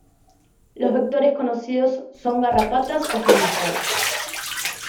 Los vectores conocidos son garrapatas o sanguijuelas.